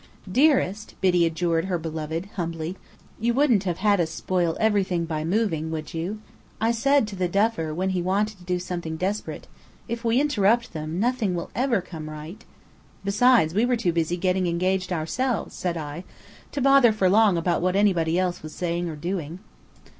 "Dearest," Biddy adjured her beloved, humbly, "you wouldn't have had us spoil everything by moving, would you? I said to the Duffer when he wanted to do something desperate, 'If we interrupt them, nothing will ever come right '" "Besides, we were too busy getting engaged ourselves," said I, "to bother for long about what anybody else was saying or doing."